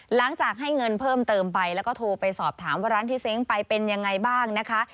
หลังจากให้เงินเพิ่มเติมไปแล้วก็โทรไปสอบถามว่าร้านที่เซ้งไปเป็นยังไงบ้างนะคะ